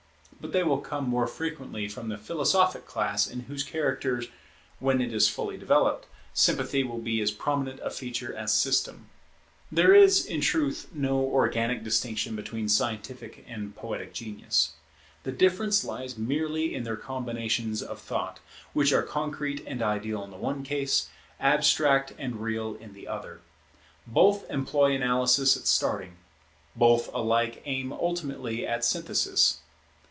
But they will come more frequently from the philosophic class in whose character, when it is fully developed, Sympathy will be as prominent a feature as System. [Identity of esthetic and scientific genius] There is, in truth, no organic distinction between scientific and poetic genius. The difference lies merely in their combinations of thought, which are concrete and ideal in the one case, abstract and real in the other. Both employ analysis at starting; both alike aim ultimately at synthesis.